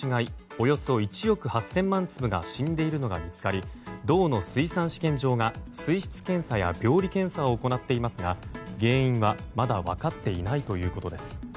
およそ１億８０００万粒が死んでいるのが見つかり道の水産試験場が水質検査や病理検査を行っていますが原因はまだ分かっていないということです。